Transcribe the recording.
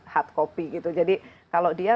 hard copy gitu jadi kalau dia